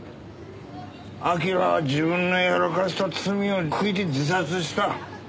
明は自分のやらかした罪を悔いて自殺した。